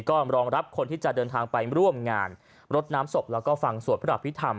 ก็รองรับคนที่จะเดินทางไปร่วมงานรดน้ำศพแล้วก็ฟังสวดพระอภิษฐรร